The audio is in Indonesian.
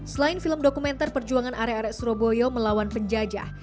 selain film dokumenter perjuangan arek arek surabaya melawan penjajah